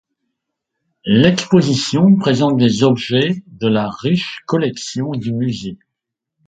L'exposition présente des objets de la riche collection du musée.